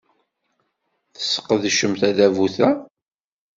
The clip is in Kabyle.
Tesqedcem tadabut-a.